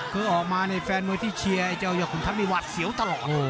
คือออกมาในแฟนมือที่เชียร์ยอดขุนทัพเป็นวาดเสียวตลอด